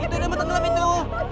itu udah mau tenggelam itu